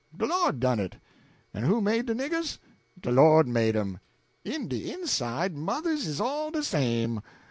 De Lord done it. En who made de niggers? De Lord made 'em. In de inside, mothers is all de same.